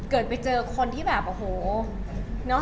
เกิดไปเจอคนที่แบบโอ้โห